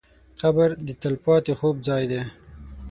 قبر د تل پاتې خوب ځای دی.